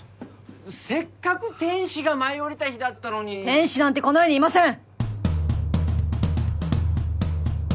せっかく天使が舞い降りた日だったのに天使なんてこの世にいません！